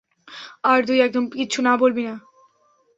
আর দুই, একদম কিচ্ছু না বলবি না।